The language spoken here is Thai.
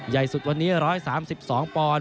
ใยสุดวันนี้๑๓๒ป